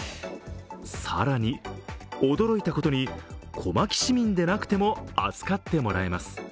更に、驚いたことに、小牧市民でなくても預かってもらえます。